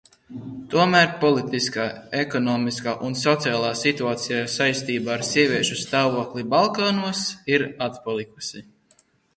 Tomēr politiskā, ekonomiskā un sociālā situācija saistībā ar sieviešu stāvokli Balkānos ir atpalikusi.